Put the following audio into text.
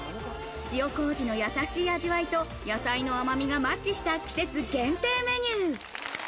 塩麹のやさしい味わいと野菜の甘みがマッチした季節限定メニュー。